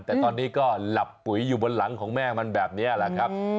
แต่ตอนนี้ก็หลับปุ๋ยอยู่บนหลังของแม่มันแบบนี้แหละครับ